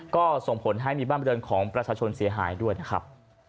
ก็ส่งผลให้มีบ้านบริเวณของประชาชนเสียหายด้วยนะครับ